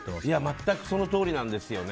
全くそのとおりなんですよね。